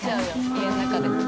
家の中で。